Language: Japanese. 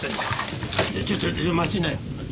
ちょっちょっ待ちなよ。